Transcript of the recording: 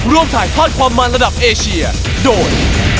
ร่วมถ่ายทอดความมันระดับเอเชียโดย